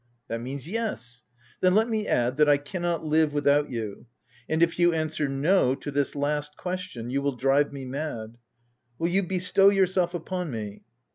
That means yes — Then let me add, that I can not live without you, and if you answer, No, to this last question, you will drive me mad — Will you bestow yourself upon me